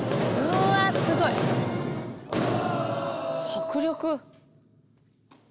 迫力。